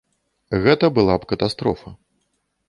Гэта была б катастрофа.